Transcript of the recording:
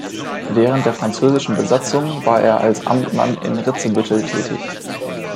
Während der französischen Besatzung war er als Amtmann in Ritzebüttel tätig.